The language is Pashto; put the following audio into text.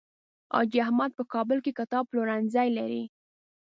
حاجي احمد په کابل کې کتاب پلورنځی لري.